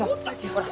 ほら。